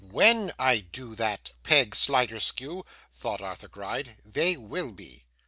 'WHEN I do that, Peg Sliderskew,' thought Arthur Gride, 'they will be.